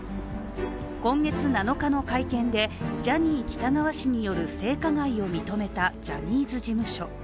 今月７日の会見で、ジャニー喜多川氏による性加害を認めたジャニーズ事務所。